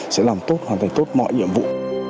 sẽ làm tốt hoàn thành tốt mọi nhiệm vụ